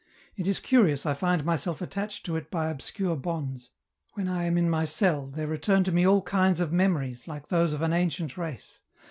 It is curious I find myself attached to it by obscure bonds ; when I am in my cell, there return to me all kinds of memories, like those of an ancient race.